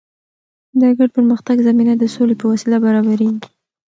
د ګډ پرمختګ زمینه د سولې په وسیله برابریږي.